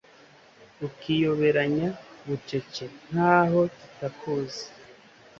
ukiyoberanya bucece nkaho tutakuzi